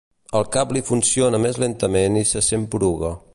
El cap li funciona més lentament i se sent poruga.